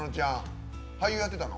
俳優やってたの？